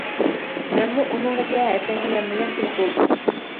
مەنمۇ ئۇنىڭغىچە ھەسەنگە يانمۇ-يان كېلىپ بولدۇم.